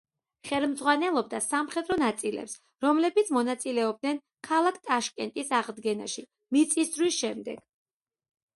ხელმძღვანელობდა სამხედრო ნაწილებს, რომლებიც მონაწილეობდნენ ქალაქ ტაშკენტის აღდგენაში მიწისძვრის შემდეგ.